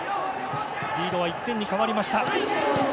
リードは１点に変わりました。